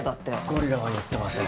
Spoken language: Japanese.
ゴリラは言ってません。